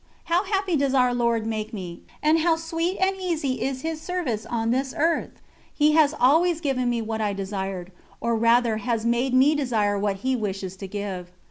How happy does Our Lord make me, and how sweet and easy is His service on this earth! He has always given me what I desired, or rather He has made me desire what He wishes to give.